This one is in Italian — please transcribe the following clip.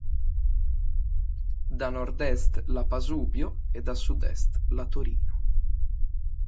Da nord-est la "Pasubio" e da sud-est la "Torino".